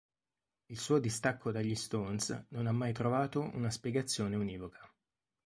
Il suo distacco dagli Stones non ha mai trovato una spiegazione univoca.